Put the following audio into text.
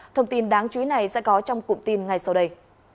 thông tin đáng chú ý này sẽ có trong cụm tin ngay sau đây